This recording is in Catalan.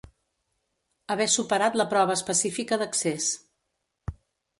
Haver superat la prova específica d'accés.